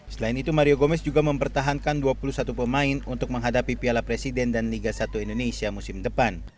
selain itu mario gomez juga mempertahankan dua puluh satu pemain untuk menghadapi piala presiden dan liga satu indonesia musim depan